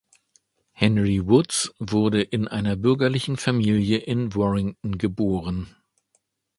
Henry Woods wurde in einer bürgerlichen Familie in Warrington geboren.